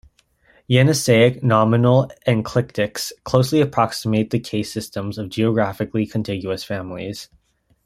Yeniseic nominal enclitics closely approximate the case systems of geographically contiguous families.